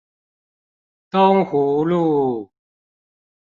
東湖路